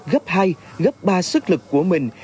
gấp hai gấp ba sức lực của mình